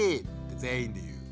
全員で言う。